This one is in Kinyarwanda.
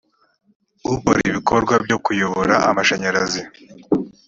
ukora ibikorwa byo kuyobora amashanyarazi